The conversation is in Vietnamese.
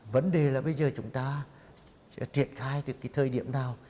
vấn đề là bây giờ chúng ta sẽ triển khai được cái thời điểm nào